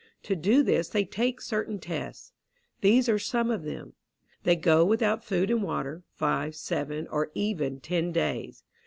To do this they take certain tests. These are some of them. They go without food and water, five, seven, or even ten days.